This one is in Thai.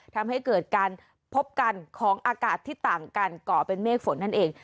ทำให้เกิดการพบกันของอากาศที่ต่างกันก่อเป็นเมฆฝนนั่นเอง